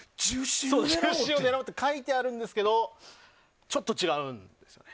重心を狙うって書いてあるんですけどちょっと違うんですよね。